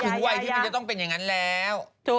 วัยที่มันจะต้องเป็นอย่างนั้นแล้ว